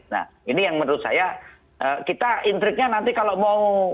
nah ini yang menurut saya kita intriknya nanti kalau mau